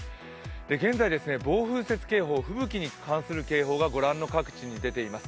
現在、暴風雪警報吹雪に関する傾向がご覧の各地に出ています。